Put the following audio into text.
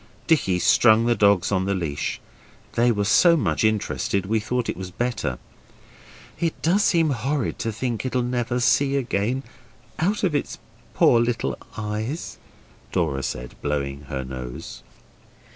Dicky strung the dogs on the leash; they were so much interested we thought it was better. 'It does seem horrid to think it'll never see again out of its poor little eyes,' Dora said, blowing her nose.